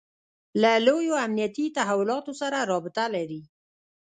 له لویو امنیتي تحولاتو سره رابطه لري.